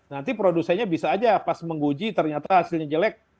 nanti produsennya bisa aja pas menguji ternyata hasilnya jelek